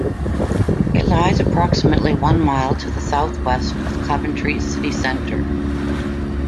It lies approximately one mile to the southwest of Coventry City Centre.